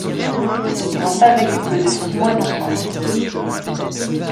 Ils n’ont pas vécu plus de six mois ensemble.